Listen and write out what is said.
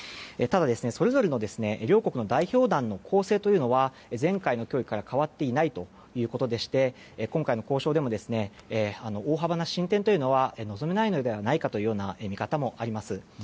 ただ、それぞれの両国の代表団の構成というのは前回の協議から変わっていないということでして今回の交渉でも大幅な進展というのは望めないのではないかというような見方もあります。